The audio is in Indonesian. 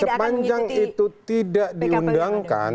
sepanjang itu tidak diundangkan